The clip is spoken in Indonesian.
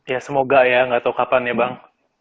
ya semoga ya gak tau kapan ya bang